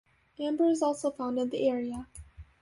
Amber is also found in the area.